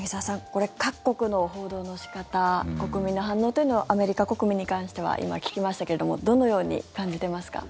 これ、各国の報道の仕方国民の反応というのはアメリカ国民に関しては今、聞きましたけれどもどのように感じていますか？